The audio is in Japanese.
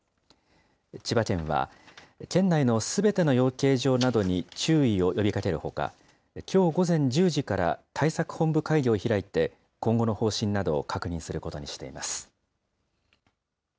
千葉県は、県内のすべての養鶏場などに注意を呼びかけるほか、きょう午前１０時から、対策本部会議を開いて、今後の方針などを確認することにしています。